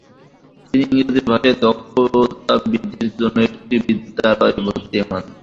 তিনি ইংরেজি ভাষায় দক্ষতা বৃদ্ধির জন্য একটি বিদ্যালয়ে ভর্তি হন।